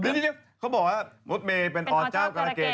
เดี๋ยวเขาบอกว่ามดเมย์เป็นออเจ้ากรเกรก